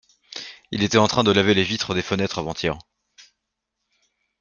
Il était en train de laver les vitres des fenêtres avant-hier.